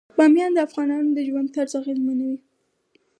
بامیان د افغانانو د ژوند طرز اغېزمنوي.